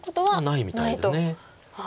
ないみたいです。